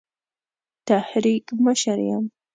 تحریک مشر یم.